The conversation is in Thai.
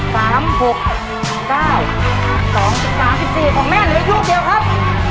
สามสองสี่สี่ของแม่เหลืออีกสี่ลูกเดียวครับ